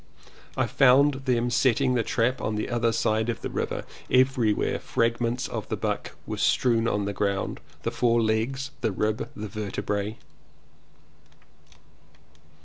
I found them setting the trap on the other side of the river; everywhere fragments of buck were strewn on the ground, the four legs, the ribs, the vertebrae.